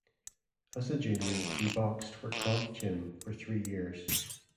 As a junior he boxed for Kronk Gym for three years.